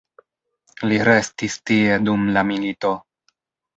Li restis tie dum la milito.